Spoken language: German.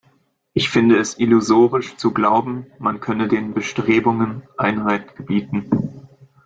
Ich finde es illusorisch zu glauben, man könne den Bestrebungen Einhalt gebieten.